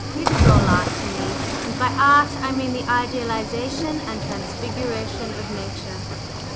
It is all Art to me; and by Art I mean the idealization and transfiguration of Nature."